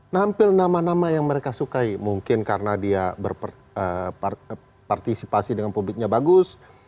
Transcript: nampil nama nama yang mereka sukai mungkin karena dia berpartisipasi dengan publiknya bagus